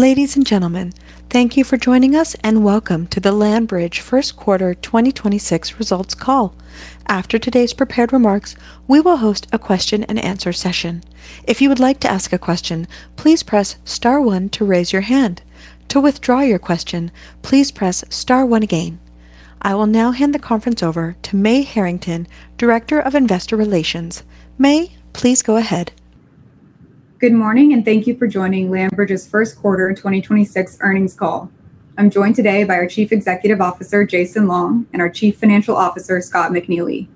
Ladies and gentlemen, thank you for joining us, and welcome to the LandBridge first quarter 2026 results call. After today's prepared remarks, we will host a question and answer session. If you would like to ask a question, please press star one to raise your hand. To withdraw your question, please press star one again. I will now hand the conference over to Mae Herrington, Director of Investor Relations. Mae, please go ahead. Good morning, thank you for joining LandBridge's first quarter 2026 earnings call. I'm joined today by our Chief Executive Officer, Jason Long, and our Chief Financial Officer, Scott McNeely.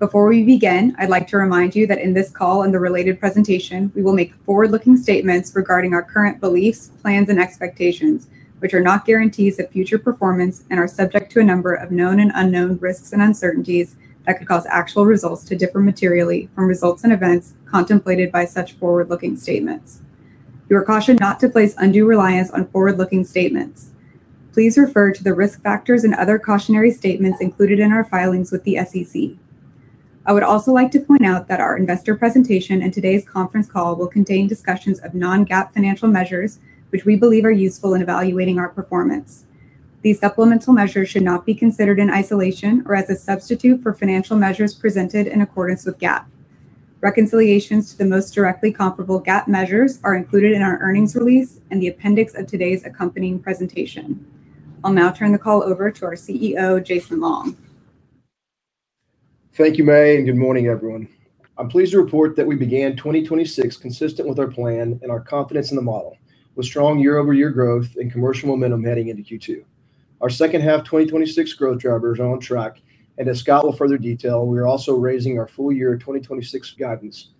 Before we begin, I'd like to remind you that in this call and the related presentation, we will make forward-looking statements regarding our current beliefs, plans, and expectations, which are not guarantees of future performance and are subject to a number of known and unknown risks and uncertainties that could cause actual results to differ materially from results and events contemplated by such forward-looking statements. You are cautioned not to place undue reliance on forward-looking statements. Please refer to the risk factors and other cautionary statements included in our filings with the SEC. I would also like to point out that our investor presentation and today's conference call will contain discussions of non-GAAP financial measures which we believe are useful in evaluating our performance. These supplemental measures should not be considered in isolation or as a substitute for financial measures presented in accordance with GAAP. Reconciliations to the most directly comparable GAAP measures are included in our earnings release and the appendix of today's accompanying presentation. I'll now turn the call over to our CEO, Jason Long. Thank you, Mae, and good morning, everyone. I'm pleased to report that we began 2026 consistent with our plan and our confidence in the model, with strong year-over-year growth and commercial momentum heading into Q2. Our second half 2026 growth drivers are on track, as Scott will further detail, we are also raising our Full Year 2026 guidance.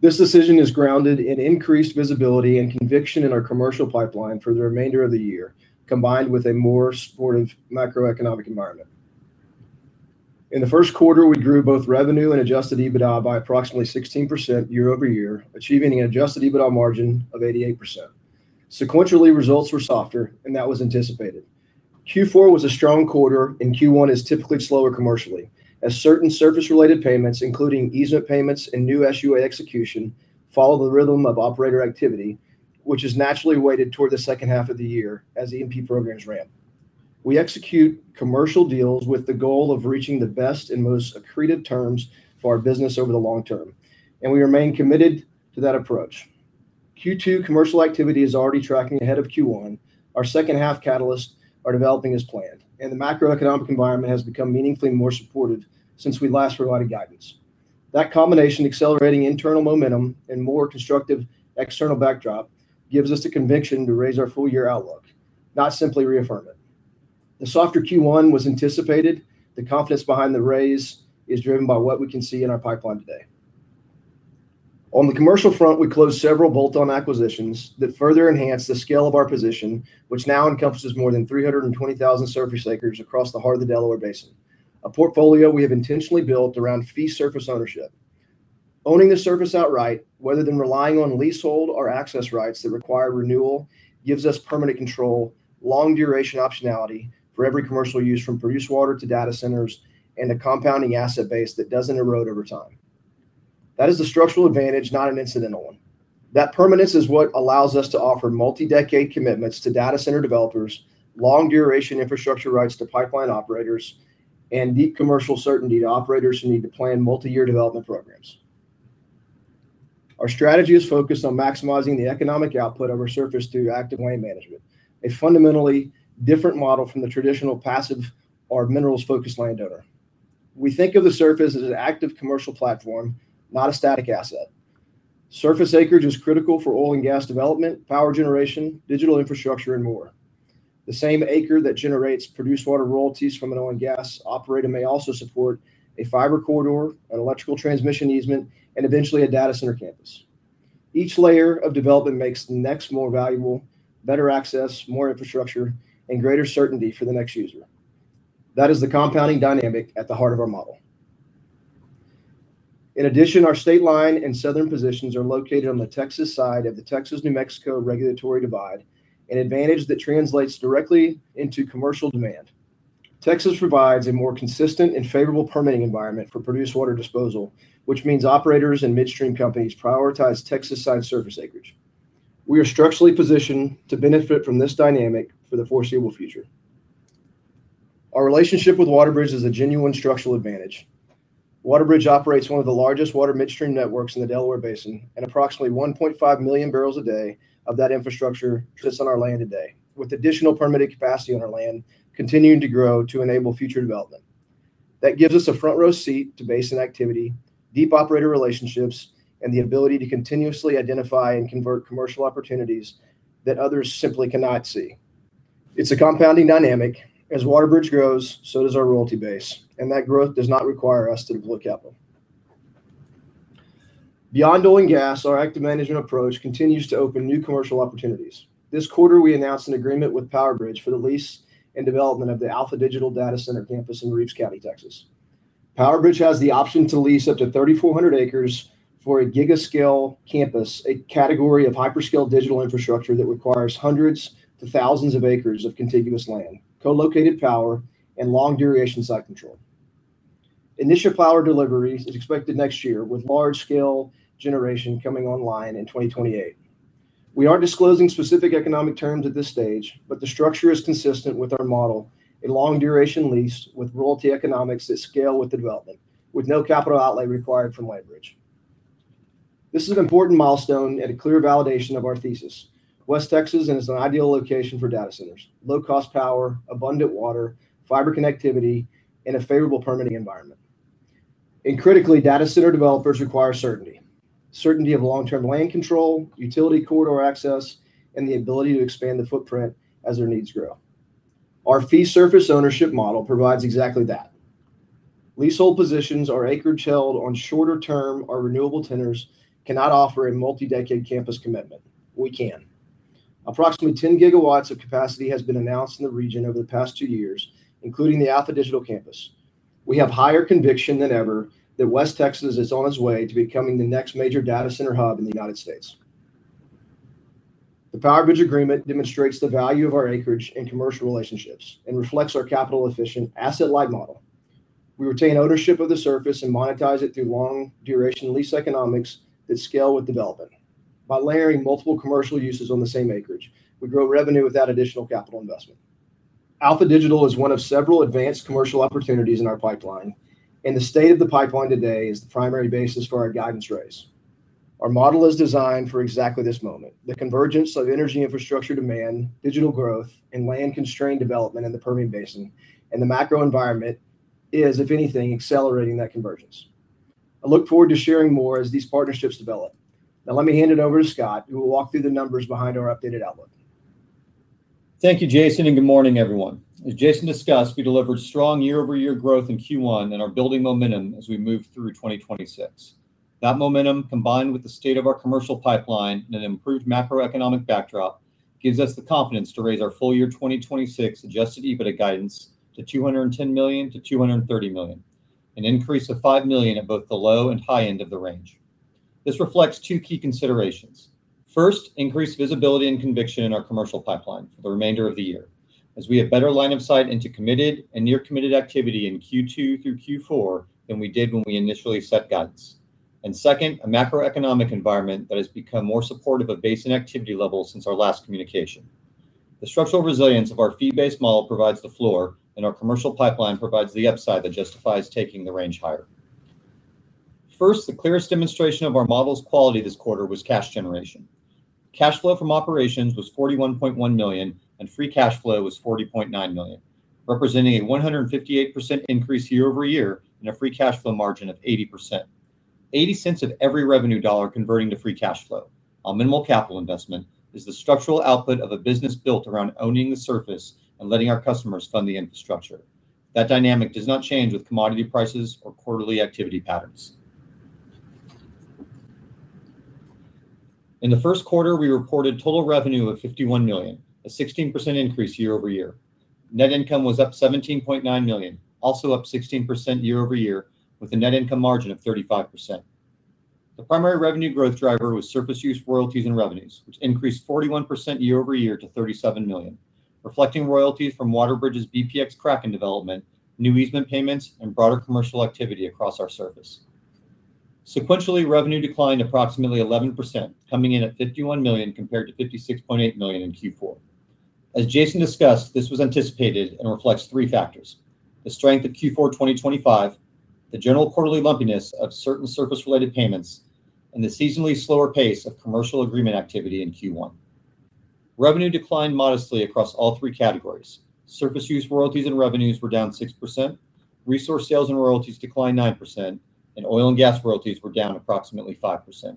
This decision is grounded in increased visibility and conviction in our commercial pipeline for the remainder of the year, combined with a more supportive macroeconomic environment. In the first quarter, we grew both revenue and adjusted EBITDA by approximately 16% year-over-year, achieving an adjusted EBITDA margin of 88%. Sequentially, results were softer, that was anticipated. Q4 was a strong quarter. Q1 is typically slower commercially, as certain surface-related payments, including easement payments and new SUA execution, follow the rhythm of operator activity, which is naturally weighted toward the second half of the year as E&P programs ramp. We execute commercial deals with the goal of reaching the best and most accretive terms for our business over the long term, and we remain committed to that approach. Q2 commercial activity is already tracking ahead of Q1. Our second-half catalysts are developing as planned, and the macroeconomic environment has become meaningfully more supportive since we last provided guidance. That combination, accelerating internal momentum and more constructive external backdrop, gives us the conviction to raise our full-year outlook, not simply reaffirm it. The softer Q1 was anticipated. The confidence behind the raise is driven by what we can see in our pipeline today. On the commercial front, we closed several bolt-on acquisitions that further enhance the scale of our position, which now encompasses more than 320,000 surface acres across the heart of the Delaware Basin, a portfolio we have intentionally built around fee surface ownership. Owning the surface outright, whether than relying on leasehold or access rights that require renewal, gives us permanent control, long-duration optionality for every commercial use from produced water to data centers, and a compounding asset base that doesn't erode over time. That is a structural advantage, not an incidental one. That permanence is what allows us to offer multi-decade commitments to data center developers, long-duration infrastructure rights to pipeline operators, and deep commercial certainty to operators who need to plan multi-year development programs. Our strategy is focused on maximizing the economic output of our surface through active land management, a fundamentally different model from the traditional passive or minerals-focused landowner. We think of the surface as an active commercial platform, not a static asset. Surface acreage is critical for oil and gas development, power generation, digital infrastructure, and more. The same acre that generates produced water royalties from an oil and gas operator may also support a fiber corridor, an electrical transmission easement, and eventually a data center campus. Each layer of development makes the next more valuable, better access, more infrastructure, and greater certainty for the next user. That is the compounding dynamic at the heart of our model. In addition, our state line and southern positions are located on the Texas side of the Texas-New Mexico regulatory divide, an advantage that translates directly into commercial demand. Texas provides a more consistent and favorable permitting environment for produced water disposal, which means operators and midstream companies prioritize Texas-side surface acreage. We are structurally positioned to benefit from this dynamic for the foreseeable future. Our relationship with WaterBridge is a genuine structural advantage. WaterBridge operates one of the largest water midstream networks in the Delaware Basin, and approximately 1.5 million barrels a day of that infrastructure sits on our land today, with additional permitted capacity on our land continuing to grow to enable future development. That gives us a front-row seat to basin activity, deep operator relationships, and the ability to continuously identify and convert commercial opportunities that others simply cannot see. It's a compounding dynamic. As WaterBridge grows, so does our royalty base, and that growth does not require us to deploy capital. Beyond oil and gas, our active management approach continues to open new commercial opportunities. This quarter, we announced an agreement with PowerBridge for the lease and development of the Alpha Digital data center Campus in Reeves County, Texas. PowerBridge has the option to lease up to 3,400 acres for a giga-scale campus, a category of hyperscale digital infrastructure that requires hundreds to thousands of acres of contiguous land, co-located power, and long-duration site control. Initial power deliveries is expected next year, with large-scale generation coming online in 2028. We aren't disclosing specific economic terms at this stage, but the structure is consistent with our model, a long-duration lease with royalty economics that scale with the development, with no capital outlay required from LandBridge. This is an important milestone and a clear validation of our thesis. West Texas is an ideal location for data centers, low-cost power, abundant water, fiber connectivity, and a favorable permitting environment. Critically, data center developers require certainty of long-term land control, utility corridor access, and the ability to expand the footprint as their needs grow. Our fee surface ownership model provides exactly that. Leasehold positions or acreage held on shorter term or renewable tenors cannot offer a multi-decade campus commitment. We can. Approximately 10 GW of capacity has been announced in the region over the past two years, including the Alpha Digital Campus. We have higher conviction than ever that West Texas is on its way to becoming the next major data center hub in the United States. The PowerBridge agreement demonstrates the value of our acreage and commercial relationships and reflects our capital-efficient asset-light model. We retain ownership of the surface and monetize it through long-duration lease economics that scale with development. By layering multiple commercial uses on the same acreage, we grow revenue without additional capital investment. Alpha Digital is one of several advanced commercial opportunities in our pipeline, and the state of the pipeline today is the primary basis for our guidance raise. Our model is designed for exactly this moment, the convergence of energy infrastructure demand, digital growth, and land-constrained development in the Permian Basin, and the macro environment is, if anything, accelerating that convergece. I look forward to sharing more as these partnerships develop. Now let me hand it over to Scott, who will walk through the numbers behind our updated outlook. Thank you, Jason, and good morning, everyone. As Jason discussed, we delivered strong year-over-year growth in Q1 and are building momentum as we move through 2026. That momentum, combined with the state of our commercial pipeline and an improved macroeconomic backdrop, gives us the confidence to raise our Full Year 2026 adjusted EBITDA guidance to $210 million to $230 million, an increase of $5 million at both the low and high end of the range. This reflects two key considerations. First, increased visibility and conviction in our commercial pipeline for the remainder of the year, as we have better line of sight into committed and near-committed activity in Q2 through Q4 than we did when we initially set guidance. Second, a macroeconomic environment that has become more supportive of basin activity levels since our last communication. The structural resilience of our fee-based model provides the floor, and our commercial pipeline provides the upside that justifies taking the range higher. First, the clearest demonstration of our model's quality this quarter was cash generation. Cash flow from operations was $41.1 million, and free cash flow was $40.9 million, representing a 158% increase year-over-year and a free cash flow margin of 80%. $0.80 of every revenue dollar converting to free cash flow, our minimal capital investment, is the structural output of a business built around owning the surface and letting our customers fund the infrastructure. That dynamic does not change with commodity prices or quarterly activity patterns. In the first quarter, we reported total revenue of $51 million, a 16% increase year-over-year. Net income was up $17.9 million, also up 16% year-over-year, with a net income margin of 35%. The primary revenue growth driver was surface use royalties and revenues, which increased 41% year-over-year to $37 million, reflecting royalties from WaterBridge's BPX Kraken development, new easement payments, and broader commercial activity across our surface. Sequentially, revenue declined approximately 11%, coming in at $51 million compared to $56.8 million in Q4. As Jason discussed, this was anticipated and reflects three factors: the strength of Q4 2025, the general quarterly lumpiness of certain surface-related payments, and the seasonally slower pace of commercial agreement activity in Q1. Revenue declined modestly across all three categories. Surface use royalties and revenues were down 6%, resource sales and royalties declined 9%, and oil and gas royalties were down approximately 5%.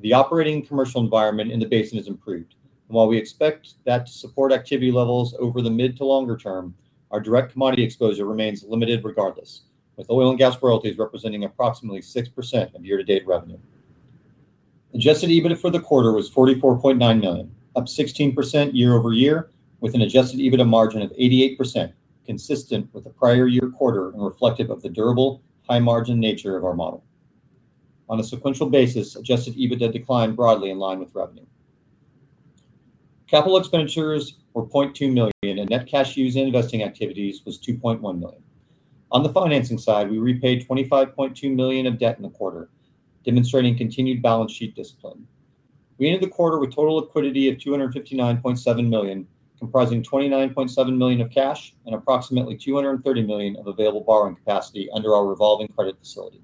The operating commercial environment in the basin has improved, and while we expect that to support activity levels over the mid to longer term, our direct commodity exposure remains limited regardless, with oil and gas royalties representing approximately 6% of year-to-date revenue. Adjusted EBITDA for the quarter was $44.9 million, up 16% year-over-year, with an adjusted EBITDA margin of 88%, consistent with the prior year quarter and reflective of the durable, high-margin nature of our model. On a sequential basis, adjusted EBITDA declined broadly in line with revenue. Capital expenditures were $0.2 million, and net cash used in investing activities was $2.1 million. On the financing side, we repaid $25.2 million of debt in the quarter, demonstrating continued balance sheet discipline. We ended the quarter with total liquidity of $259.7 million, comprising $29.7 million of cash and approximately $230 million of available borrowing capacity under our revolving credit facility.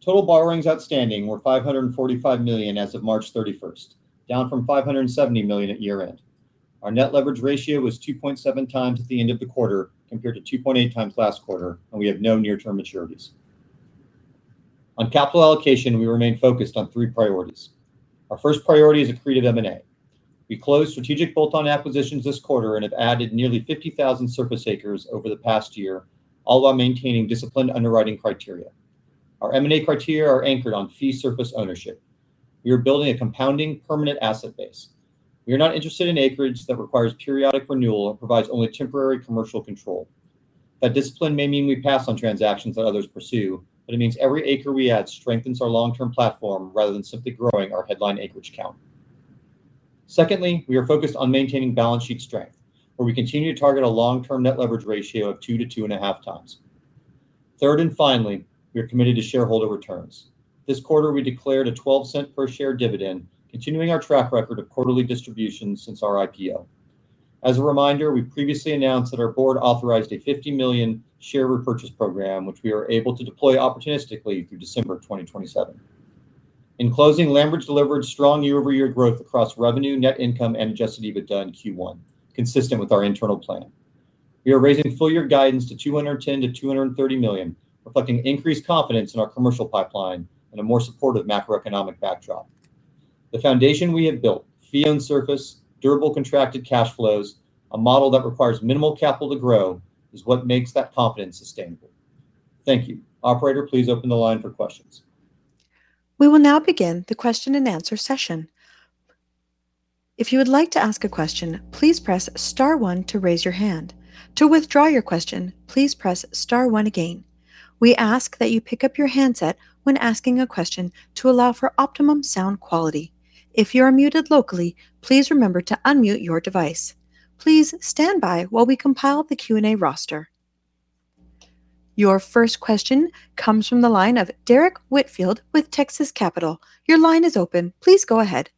Total borrowings outstanding were $545 million as of March 31st, down from $570 million at year-end. Our net leverage ratio was 2.7x at the end of the quarter, compared to 2.8x last quarter, and we have no near-term maturities. On capital allocation, we remain focused on three priorities. Our first priority is accretive M&A. We closed strategic bolt-on acquisitions this quarter and have added nearly 50,000 surface acres over the past year, all while maintaining disciplined underwriting criteria. Our M&A criteria are anchored on fee surface ownership. We are building a compounding permanent asset base. We are not interested in acreage that requires periodic renewal or provides only temporary commercial control. That discipline may mean we pass on transactions that others pursue, but it means every acre we add strengthens our long-term platform rather than simply growing our headline acreage count. Secondly, we are focused on maintaining balance sheet strength, where we continue to target a long-term net leverage ratio of 2x - 2.5x. Third, and finally, we are committed to shareholder returns. This quarter, we declared a $0.12 per share dividend, continuing our track record of quarterly distributions since our IPO. As a reminder, we previously announced that our board authorized a 50 million share repurchase program, which we are able to deploy opportunistically through December 2027. In closing, LandBridge delivered strong year-over-year growth across revenue, net income and adjusted EBITDA in Q1, consistent with our internal plan. We are raising full-year guidance to $210 milion to $230 million, reflecting increased confidence in our commercial pipeline and a more supportive macroeconomic backdrop. The foundation we have built, fee and surface, durable contracted cash flows, a model that requires minimal capital to grow, is what makes that confidence sustainable. Thank you. Operator, please open the line for questions. We will now begin the question-and-answer session. If you would like to ask a question, please press star one to raise your hand. To withdraw your question, please press star one again. We ask that you pick up your handset when asking a question to allow for optimum sound quality. If you are muted locally, please remember to unmute your device. Please stand by while we compile the Q&A roster. Your first question comes from the line of Derrick Whitfield with Texas Capital. Your line is open. Please go ahead.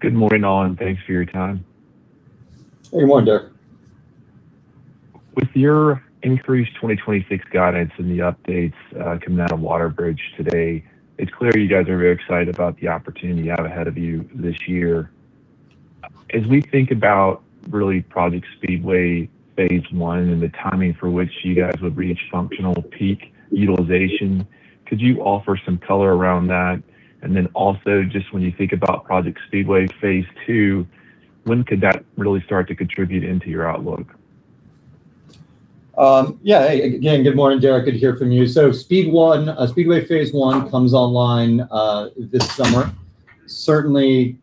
Good morning, all, and thanks for your time. Good morning, Derrick. With your increased 2026 guidance and the updates coming out of WaterBridge today, it's clear you guys are very excited about the opportunity you have ahead of you this year. As we think about really Project Speedway phase I and the timing for which you guys would reach functional peak utilization, could you offer some color around that? Also, just when you think about Project Speedway phase II, when could that really start to contribute into your outlook? Hey, again, good morning, Derrick. Good to hear from you. Speed 1, Speedway phase I comes online this summer. Certainly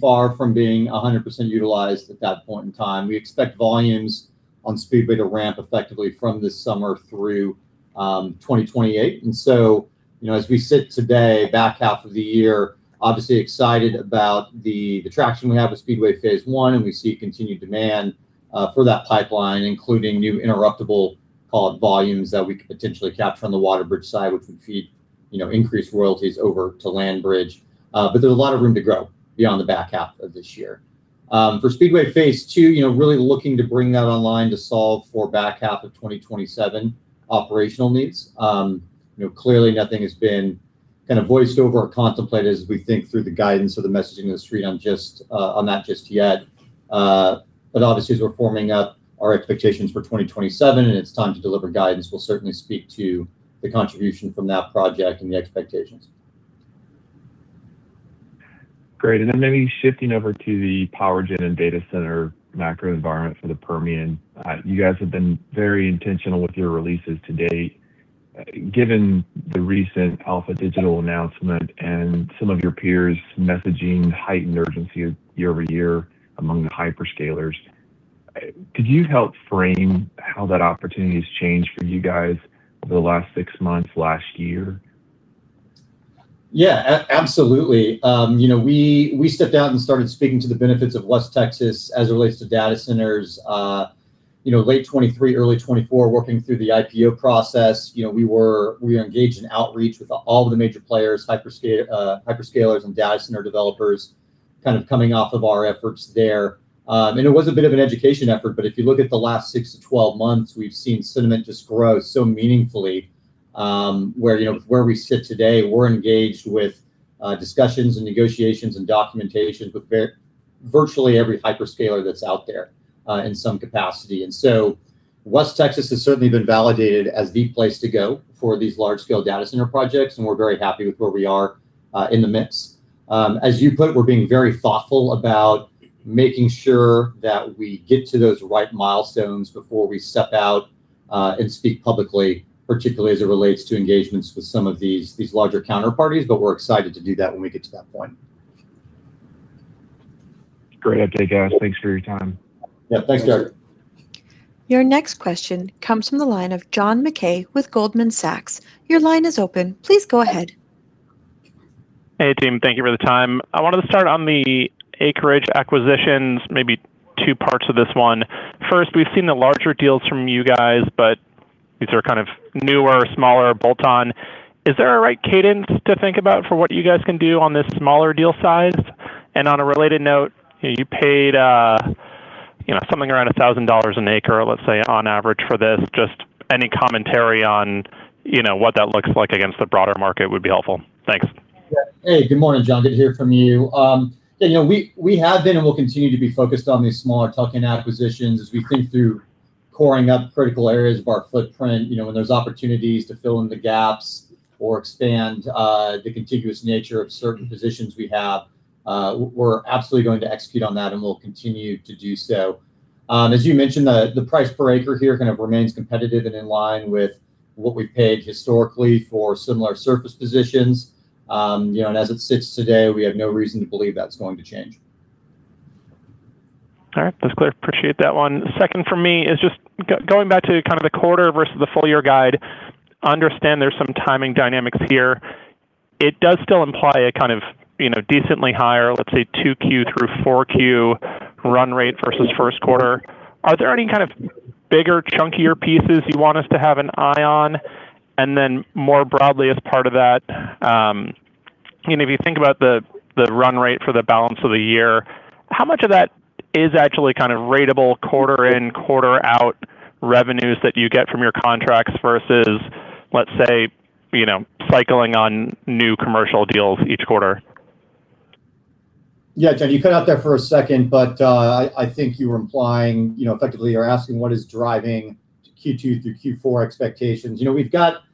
far from being 100% utilized at that point in time. We expect volumes on Speedway to ramp effectively from this summer through 2028. As we sit today, you know, back half of the year, obviously excited about the traction we have with Speedway phase I, and we see continued demand for that pipeline, including new interruptible call-up volumes that we could potentially capture on the WaterBridge side, which would feed, you know, increased royalties over to LandBridge. But there's a lot of room to grow beyond the back half of this year. For Speedway phase II, you know, really looking to bring that online to solve for back half of 2027 operational needs. You know, clearly nothing has been kind of voiced over or contemplated as we think through the guidance of the messaging of the street on just on that just yet. Obviously as we're forming up our expectations for 2027 and it's time to deliver guidance, we'll certainly speak to the contribution from that project and the expectations. Great. Maybe shifting over to the power gen and data center macro environment for the Permian. You guys have been very intentional with your releases to date. Given the recent Alpha Digital announcement and some of your peers' messaging heightened urgency year-over-year among the hyperscalers, could you help frame how that opportunity has changed for you guys over the last six months, last year? Absolutely. You know, we stepped out and started speaking to the benefits of West Texas as it relates to data centers, you know, late 2023, early 2024, working through the IPO process. You know, we engaged in outreach with all of the major players, hyperscalers and data center developers kind of coming off of our efforts there. It was a bit of an education effort, but if you look at the last six-12 months, we've seen sentiment just grow so meaningfully, where, you know, where we sit today, we're engaged with discussions and negotiations and documentation with virtually every hyperscaler that's out there in some capacity. West Texas has certainly been validated as the place to go for these large scale data center projects, and we're very happy with where we are in the mix. As you put it, we're being very thoughtful about making sure that we get to those right milestones before we step out and speak publicly, particularly as it relates to engagements with some of these larger counterparties, but we're excited to do that when we get to that point. Great update, guys. Thanks for your time. Yeah. Thanks, Derrick. Your next question comes from the line of John Mackay with Goldman Sachs. Your line is open. Please go ahead. Hey, team. Thank you for the time. I wanted to start on the acreage acquisitions, maybe two parts of this one. First, we've seen the larger deals from you guys, but these are kind of newer, smaller bolt-on. Is there a right cadence to think about for what you guys can do on this smaller deal size? And on a related note, you paid, you know, something around $1,000 an acre, let's say, on average for this. Just any commentary on, you know, what that looks like against the broader market would be helpful. Thanks. Yeah. Hey, good morning, John. Good to hear from you. You know, we have been and will continue to be focused on these smaller tuck-in acquisitions as we think through coring up critical areas of our footprint. You know, when there's opportunities to fill in the gaps or expand the contiguous nature of certain positions we have, we're absolutely going to execute on that, and we'll continue to do so. As you mentioned, the price per acre here kind of remains competitive and in line with what we've paid historically for similar surface positions. You know, as it sits today, we have no reason to believe that's going to change. All right. That's clear. Appreciate that one. Second for me is just going back to kind of the quarter versus the full year guide, understand there's some timing dynamics here. It does still imply a kind of, you know, decently higher, let's say, 2Q through 4Q run rate versus first quarter. Are there any kind of bigger, chunkier pieces you want us to have an eye on? More broadly, as part of that, you know, if you think about the run rate for the balance of the year, how much of that is actually kind of ratable quarter in, quarter out revenues that you get from your contracts versus, let's say, you know, cycling on new commercial deals each quarter? Yeah. Ben, you cut out there for a second. I think you were implying, you know, effectively you're asking what is driving Q2 through Q4 expectations. You know, we've got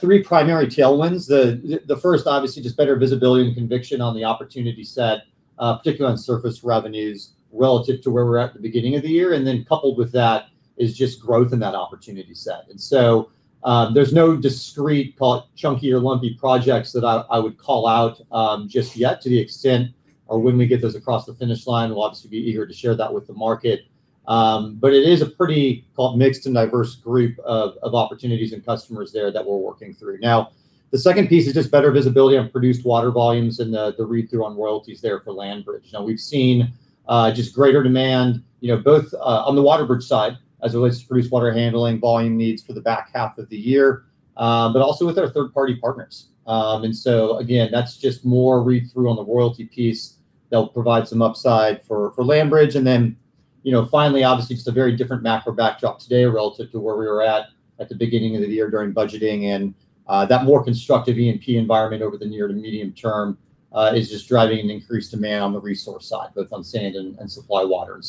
three primary tailwinds. The first, obviously, just better visibility and conviction on the opportunity set, particularly on surface revenues relative to where we're at at the beginning of the year. Coupled with that is just growth in that opportunity set. There's no discrete call it chunky or lumpy projects that I would call out just yet to the extent or when we get those across the finish line, we'll obviously be eager to share that with the market. It is a pretty, call it, mixed and diverse group of opportunities and customers there that we're working through. The second piece is just better visibility on produced water volumes and the read-through on royalties there for LandBridge. We've seen, you know, just greater demand both on the WaterBridge side as it relates to produced water handling volume needs for the back half of the year, but also with our third-party partners. Again, that's just more read-through on the royalty piece that'll provide some upside for LandBridge. Finally, you know, obviously, just a very different macro backdrop today relative to where we were at the beginning of the year during budgeting. That more constructive E&P environment over the near to medium term is just driving an increased demand on the resource side, both on sand and supply water.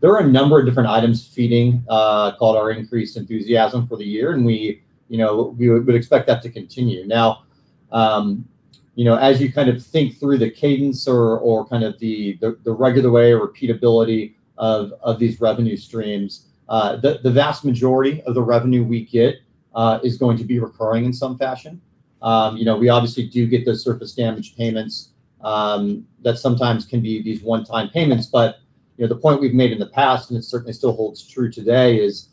There are a number of different items feeding, called our increased enthusiasm for the year, and we, you know, we would expect that to continue. Now, you know, as you kind of think through the cadence or kind of the regular way or repeatability of these revenue streams, the vast majority of the revenue we get is going to be recurring in some fashion. You know, we obviously do get those surface damage payments that sometimes can be these one-time payments. You know, the point we've made in the past, and it certainly still holds true today, is,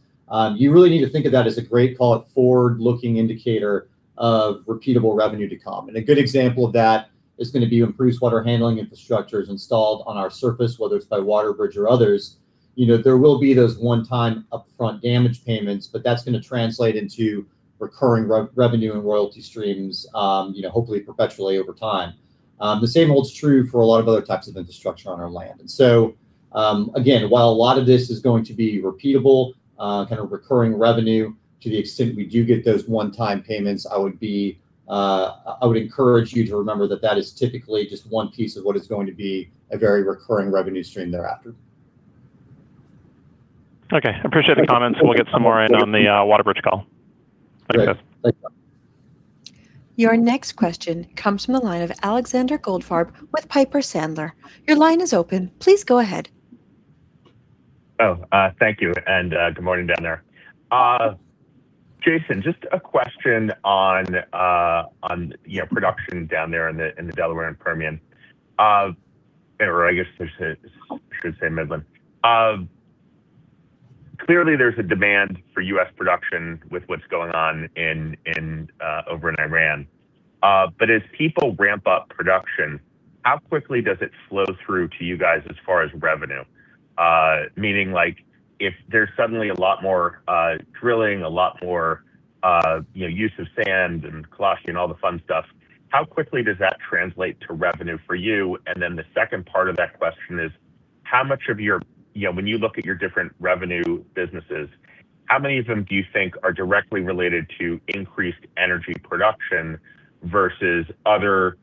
you really need to think of that as a great call it forward-looking indicator of repeatable revenue to come. A good example of that is gonna be improved water handling infrastructures installed on our surface, whether it's by WaterBridge or others. You know, there will be those one-time upfront damage payments, but that's gonna translate into recurring revenue and royalty streams, you know, hopefully perpetually over time. The same holds true for a lot of other types of infrastructure on our land. Again, while a lot of this is going to be repeatable, kind of recurring revenue to the extent we do get those one-time payments, I would be, I would encourage you to remember that that is typically just one piece of what is going to be a very recurring revenue stream thereafter. Okay. Appreciate the comments, and we'll get some more in on the WaterBridge call. Great. Thanks, guys. Thanks. Your next question comes from the line of Alexander Goldfarb with Piper Sandler. Your line is open. Please go ahead. Thank you, and good morning down there. Jason, just a question on, you know, production down there in the Delaware and Permian. Or I guess I should say Midland. Clearly there's a demand for U.S. production with what's going on over in Iran. As people ramp up production, how quickly does it flow through to you guys as far as revenue? Meaning like if there's suddenly a lot more drilling, a lot more, you know, use of sand and clutch and all the fun stuff, how quickly does that translate to revenue for you? The second part of that question is, how much of your, you know, when you look at your different revenue businesses, how many of them do you think are directly related to increased energy production versus other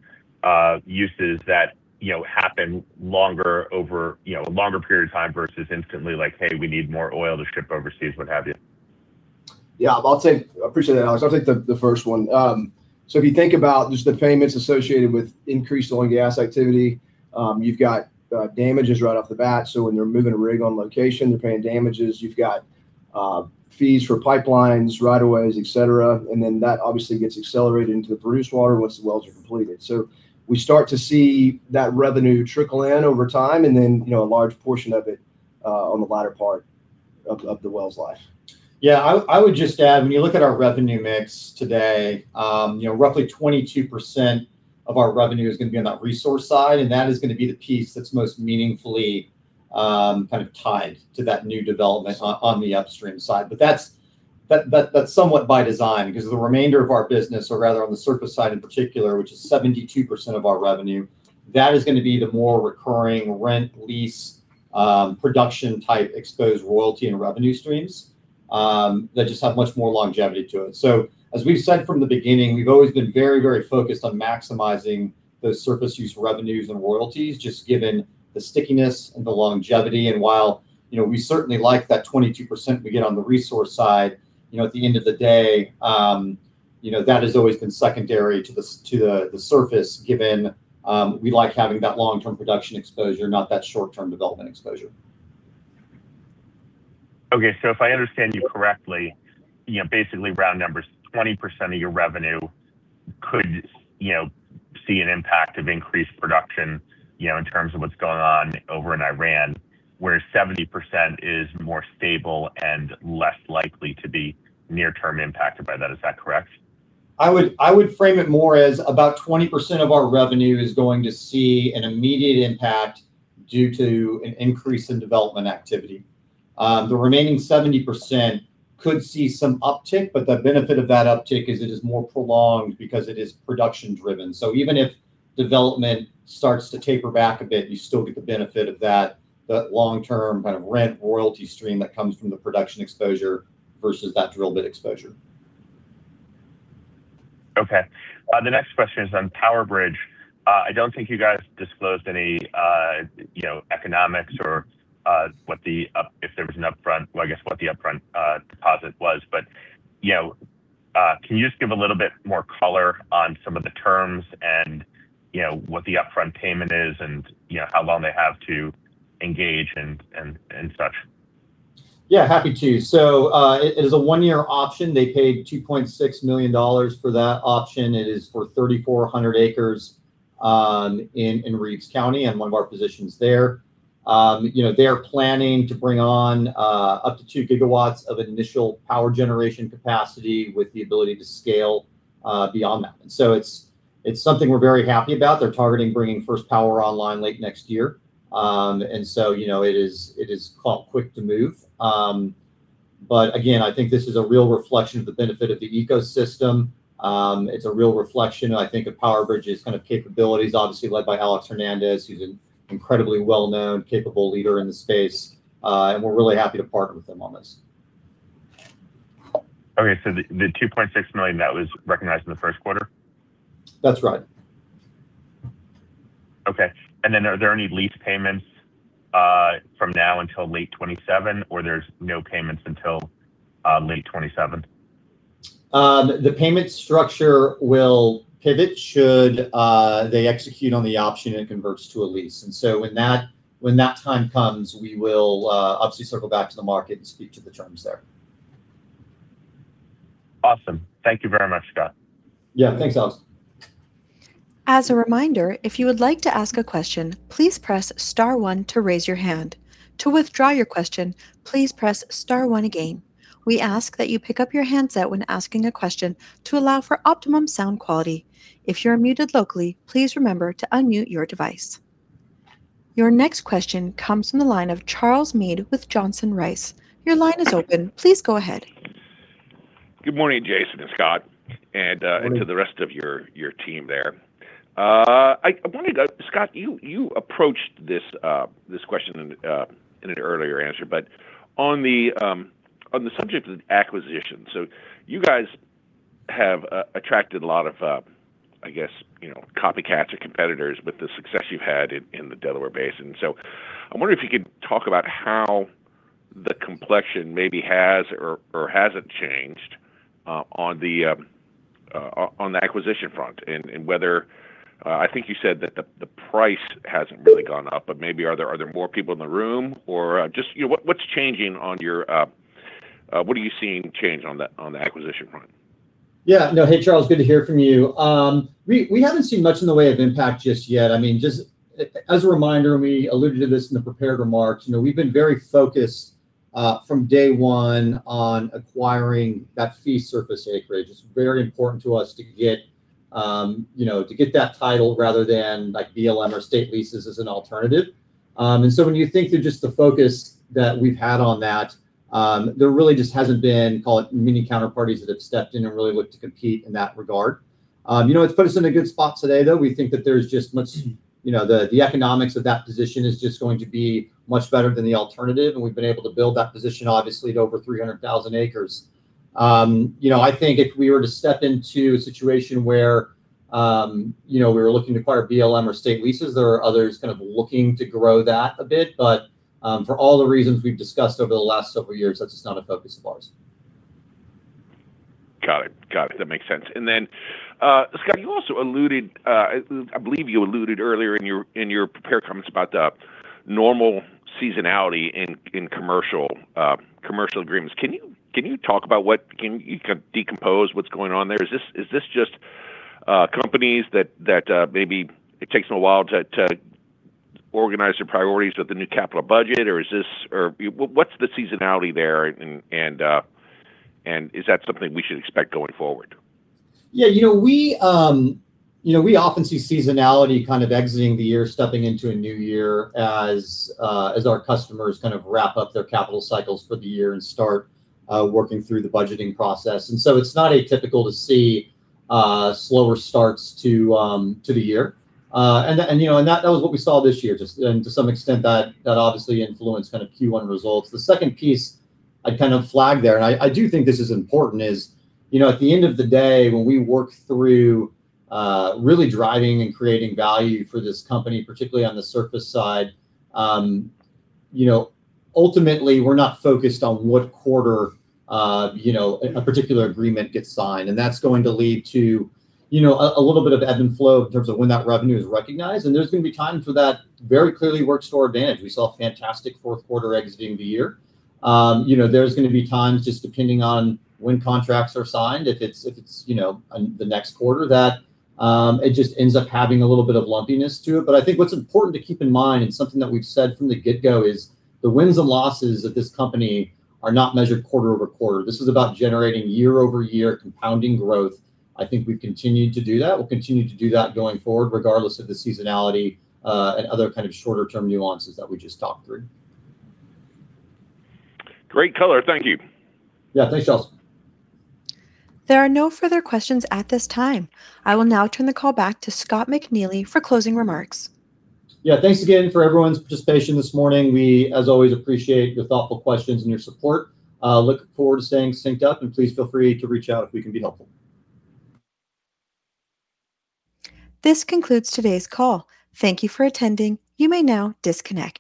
uses that, you know, happen longer over, you know, a longer period of time versus instantly like, "Hey, we need more oil to ship overseas," what have you? Appreciate that, Alex. I'll take the first one. If you think about just the payments associated with increased oil and gas activity, you've got damages right off the bat. When they're moving a rig on location, they're paying damages. You've got fees for pipelines, right of ways, et cetera, and then that obviously gets accelerated into the produced water once the wells are completed. We start to see that revenue trickle in over time and then, you know, a large portion of it on the latter part of the well's life. I would just add, when you look at our revenue mix today, roughly 22% of our revenue is gonna be on that resource side. That is gonna be the piece that's most meaningfully kind of tied to that new development on the upstream side. That's somewhat by design because the remainder of our business or rather on the surface side in particular, which is 72% of our revenue, that is gonna be the more recurring rent, lease, production type exposed royalty and revenue streams, that just have much more longevity to it. As we've said from the beginning, we've always been very, very focused on maximizing those surface use revenues and royalties, just given the stickiness and the longevity. While, you know, we certainly like that 22% we get on the resource side, you know, at the end of the day, you know, that has always been secondary to the surface given, we like having that long-term production exposure, not that short-term development exposure. Okay. If I understand you correctly, you know, basically round numbers, 20% of your revenue could, you know, see an impact of increased production, you know, in terms of what's going on over in Iran, whereas 70% is more stable and less likely to be near term impacted by that. Is that correct? I would frame it more as about 20% of our revenue is going to see an immediate impact due to an increase in development activity. The remaining 70% could see some uptick, the benefit of that uptick is it is more prolonged because it is production driven. Even if development starts to taper back a bit, you still get the benefit of that long-term kind of rent royalty stream that comes from the production exposure versus that drill bit exposure. Okay. The next question is on PowerBridge. I don't think you guys disclosed any, you know, economics or what the upfront deposit was. You know, can you just give a little bit more color on some of the terms and, you know, what the upfront payment is and, you know, how long they have to engage? Happy to. It is a one-year option. They paid $2.6 million for that option. It is for 3,400 acres, in Reeves County on one of our positions there. You know, they are planning to bring on up to 2 GW of initial power generation capacity with the ability to scale beyond that. It's something we're very happy about. They're targeting bringing first power online late next year. You know, it is quite quick to move. Again, I think this is a real reflection of the benefit of the ecosystem. It's a real reflection, I think, of PowerBridge's kind of capabilities, obviously led by Alex Hernandez, who's an incredibly well-known, capable leader in the space. We're really happy to partner with him on this. Okay. The $2.6 million, that was recognized in the first quarter? That's right. Okay. Are there any lease payments from now until late 2027, or there's no payments until late 2027? The payment structure will pivot should they execute on the option and it converts to a lease. When that time comes, we will obviously circle back to the market and speak to the terms there. Awesome. Thank you very much, Scott. Yeah. Thanks, Alex. As a reminder, if you would like to ask a question, please press star one to raise your hand. To withdraw your question, please press star one again. We ask that you pick up your handset when asking a question to allow for optimum sound quality. If you're muted locally, please remember to unmute your device. Your next question comes from the line of Charles Meade with Johnson Rice. Your line is open. Please go ahead. Good morning, Jason and Scott. Good morning. To the rest of your team there. I wondered, Scott, you approached this question in an earlier answer, but on the subject of acquisition. You guys have attracted a lot of, I guess, you know, copycats or competitors with the success you've had in the Delaware Basin. I'm wondering if you could talk about how the complexion maybe has or hasn't changed on the acquisition front and whether I think you said that the price hasn't really gone up, but maybe are there more people in the room or just, you know, what are you seeing change on the acquisition front? Yeah. No. Hey, Charles, good to hear from you. We haven't seen much in the way of impact just yet. I mean, just as a reminder, we alluded to this in the prepared remarks, you know, we've been very focused from day one on acquiring that fee surface acreage. It's very important to us to get, you know, to get that title rather than, like, BLM or state leases as an alternative. When you think of just the focus that we've had on that, there really just hasn't been, call it, many counterparties that have stepped in and really looked to compete in that regard. You know, it's put us in a good spot today, though. We think that there's just. You know, the economics of that position is just going to be much better than the alternative, and we've been able to build that position obviously to over 300,000 acres. You know, I think if we were to step into a situation where, you know, we were looking to acquire BLM or state leases, there are others kind of looking to grow that a bit. For all the reasons we've discussed over the last several years, that's just not a focus of ours. Got it. That makes sense. Then, Scott, you also alluded, I believe you alluded earlier in your prepared comments about the normal seasonality in commercial agreements. Can you kind of decompose what's going on there? Is this just companies that maybe it takes them a while to organize their priorities with the new capital budget, or is this what's the seasonality there and is that something we should expect going forward? Yeah. You know, we, you know, we often see seasonality kind of exiting the year, stepping into a new year as our customers kind of wrap up their capital cycles for the year and start working through the budgeting process. It's not atypical to see slower starts to the year. You know, that was what we saw this year just and to some extent that obviously influenced kind of Q1 results. The second piece I'd kind of flag there, and I do think this is important, is, you know, at the end of the day, when we work through really driving and creating value for this company, particularly on the surface side, you know, ultimately we're not focused on what quarter, you know, a particular agreement gets signed. That's going to lead to, you know, a little bit of ebb and flow in terms of when that revenue is recognized, and there's going to be times where that very clearly works to our advantage. We saw a fantastic fourth quarter exiting the year. You know, there's going to be times just depending on when contracts are signed. If it's, you know, on the next quarter that it just ends up having a little bit of lumpiness to it. I think what's important to keep in mind, and something that we've said from the get-go, is the wins and losses at this company are not measured quarter-over-quarter. This is about generating year-over-year compounding growth. I think we've continued to do that. We'll continue to do that going forward regardless of the seasonality, and other kind of shorter term nuances that we just talked through. Great color. Thank you. Yeah. Thanks, Charles. There are no further questions at this time. I will now turn the call back to Scott McNeely for closing remarks. Yeah. Thanks again for everyone's participation this morning. We, as always, appreciate your thoughtful questions and your support. Looking forward to staying synced up, and please feel free to reach out if we can be helpful. This concludes today's call. Thank you for attending. You may now disconnect.